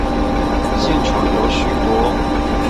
現場有許多